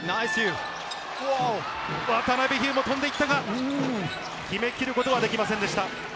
渡邉、飛んでいったが、決め切ることはできませんでした。